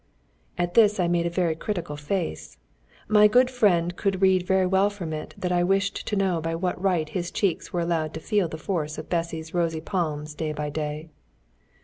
At this I made a very critical face. My good friend could read very well from it that I wished to know by what right his cheeks were allowed to feel the force of Bessy's rosy palms day by day.